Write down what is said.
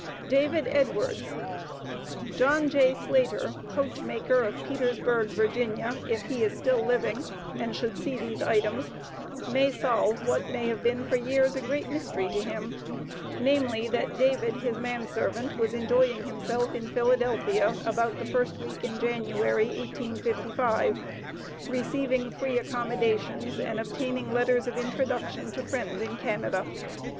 DAVID EDWARDS. John J. Slater, coachmaker of Petersburg, Virginia, if he is still living, and should see these items, may solve what may have been for years a great mystery to him namely, that David, his man servant, was enjoying himself in Philadelphia about the first week in January, 1855, receiving free accommodations and obtaining letters of introduction to friends in Canada.